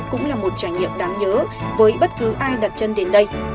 cũng là một trải nghiệm đáng nhớ với bất cứ ai đặt chân đến đây